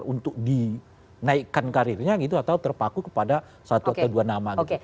untuk dinaikkan karirnya gitu atau terpaku kepada satu atau dua nama gitu